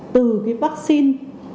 từ cái vaccine